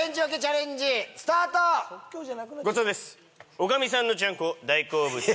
女将さんのちゃんこ大好物です。